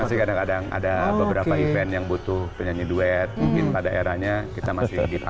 masih kadang kadang ada beberapa event yang butuh penyanyi duet mungkin pada eranya kita masih lebih